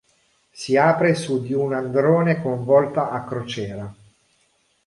Si apre su di un androne con volta a crociera.